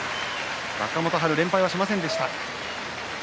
若元春、連敗はしませんでした。